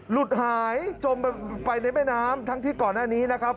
หลุดหายจมไปในแม่น้ำทั้งที่ก่อนหน้านี้นะครับ